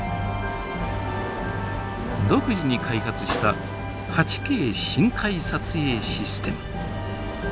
独自に開発した８Ｋ深海撮影システム。